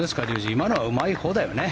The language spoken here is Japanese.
今のはうまいほうだよね。